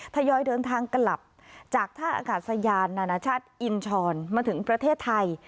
ทยอยเดินทางกลับจากท่าอากาศยานนานาชาติอินชรมาถึงประเทศไทย